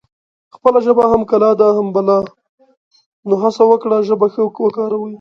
خپله ژبه هم کلا ده هم بلا نو هسه وکړی ژبه ښه وکاروي